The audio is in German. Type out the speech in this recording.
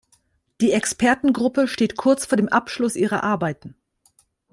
Die Expertengruppe steht kurz vor dem Abschluss ihrer Arbeiten.